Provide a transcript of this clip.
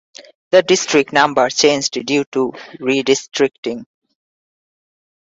The district numbers changed due to redistricting.